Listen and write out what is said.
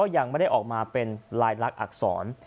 ยังไม่ได้ออกมาเป็นลายลักษณ์อักษร